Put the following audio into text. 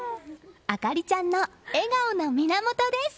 朱里ちゃんの笑顔の源です。